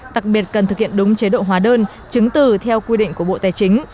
đặc biệt cần thực hiện đúng chế độ hóa đơn chứng từ theo quy định của bộ tài chính